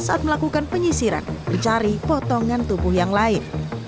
saat melakukan penyisiran mencari potongan tubuh yang lain